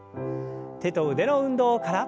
手と腕の運動から。